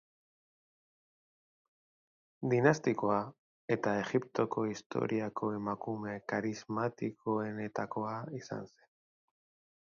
Dinastiakoa, eta Egiptoko historiako emakume karismatikoenetakoa izan zen.